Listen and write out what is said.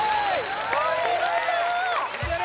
お見事！